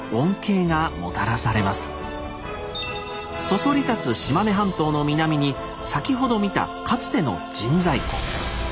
そそり立つ島根半島の南に先ほど見たかつての神西湖。